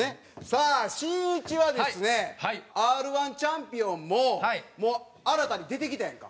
さあしんいちはですねＲ−１チャンピオンももう新たに出てきたやんか。